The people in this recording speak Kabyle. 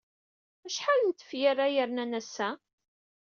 Acḥal n tefyar ay rnan ass-a?